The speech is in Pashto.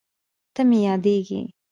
ته مې یادېږې